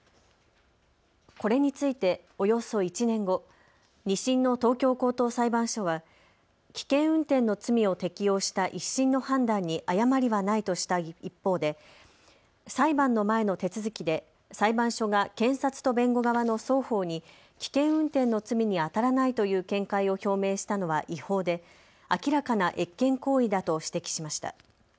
これについて、およそ１年後、２審の東京高等裁判所は危険運転の罪を適用した１審の判断に誤りはないとした一方で裁判の前の手続きで裁判所が検察と弁護側の双方に危険運転の罪にあたらないという見解を表明したのは違法で明らかな越権行為だと指摘しました。